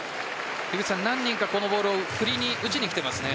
何人かこのボールを振りに打ちにきていますね。